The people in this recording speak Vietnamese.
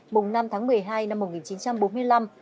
mùng năm tháng một mươi hai năm một nghìn chín trăm bốn mươi năm